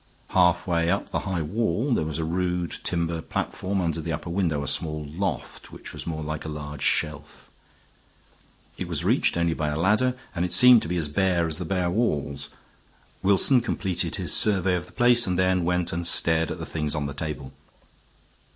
Halfway up the high wall there was a rude timber platform under the upper window, a small loft which was more like a large shelf. It was reached only by a ladder, and it seemed to be as bare as the bare walls. Wilson completed his survey of the place and then went and stared at the things on the table.